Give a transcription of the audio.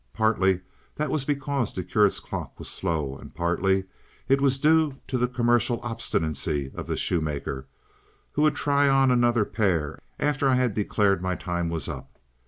Partly that was because the curate's clock was slow, and partly it was due to the commercial obstinacy of the shoemaker, who would try on another pair after I had declared my time was up.